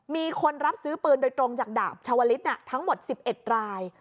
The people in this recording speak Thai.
มีคนรับซื้อปืนโดยตรงจากดาบชาวลิศทั้งหมด๑๑ราย